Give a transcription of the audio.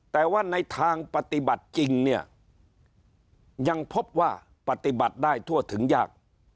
แต่ว่าในทางปฏิบัติจริงเนี่ยยังพบว่าปฏิบัติได้ทั่วถึงยาก